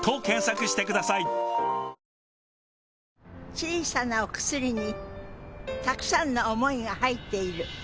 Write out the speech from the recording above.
小さなお薬にたくさんの想いが入っている。